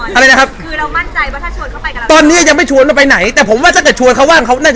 คือเรามั่นใจว่าเขาจะไปกับเราแน่นอน